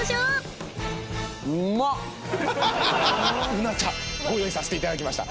うな茶ご用意させていただきました。